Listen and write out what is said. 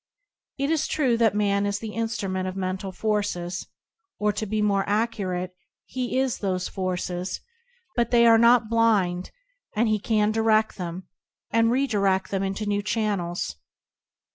It is true that man is the instrument of mental forces, — or to be more accurate, he is those forces, — but they are not blind, and he can diredl them, and rediredt them into new channels.